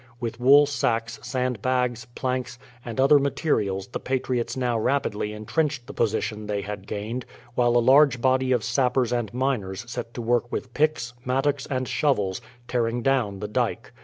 With wool sacks, sandbags, planks, and other materials the patriots now rapidly entrenched the position they had gained, while a large body of sappers and miners set to work with picks, mattocks, and shovels, tearing down the dyke.